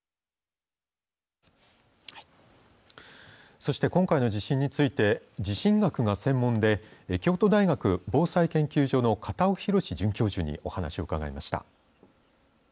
そして、今回の地震について地震学が専門で京都大学防災研究所の方尾浩准教授にお話をうかがいました。